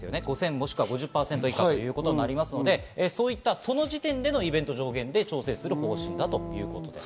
もしくは５０％以下になりますので、その時点でのイベント上限で調整する方針だということです。